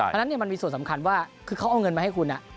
ฉะนั้นมันมีส่วนสำคัญว่าคือเขาเอาเงินมาให้คุณ